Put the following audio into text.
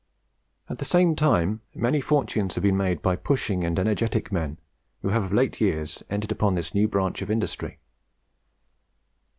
At the same time, many fortunes have been made by pushing and energetic men who have of late years entered upon this new branch of industry.